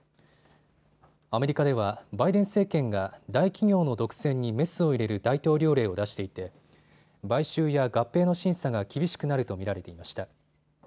アメリカではバイデン政権が大企業の独占にメスを入れる大統領令を出していて買収や合併の審査が厳しくなると見られていました。